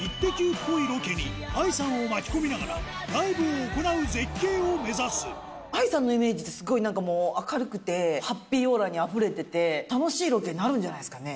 っぽいロケにＡＩさんを巻き込みながら、ライブＡＩさんのイメージって、すごいなんかもう明るくて、ハッピーオーラにあふれてて、楽しいロケになるんじゃないですかね。